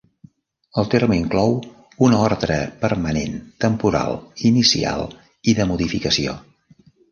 El terme inclou una ordre permanent, temporal, inicial i de modificació.